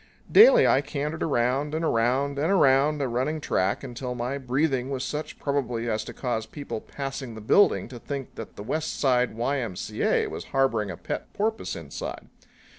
Daily I cantered around and around and around a running track until my breathing was such probably as to cause people passing the building to think that the West Side Y.M.C.A. was harboring a pet porpoise inside.